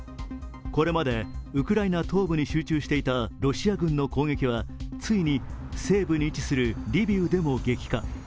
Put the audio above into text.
これまでウクライナ東部に集中していたロシア軍の攻撃はついに西部に位置するリビウでも激化。